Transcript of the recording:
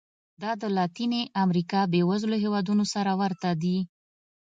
دا د لاتینې امریکا بېوزلو هېوادونو سره ورته دي.